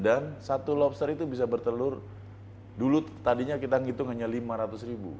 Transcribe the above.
dan satu lobster itu bisa bertelur dulu tadinya kita ngitung hanya lima ratus ribu